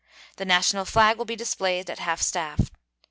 The national flag will be displayed at half staff.